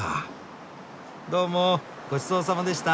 どうもごちそうさまでした。